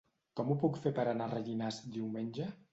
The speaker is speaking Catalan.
Com ho puc fer per anar a Rellinars diumenge?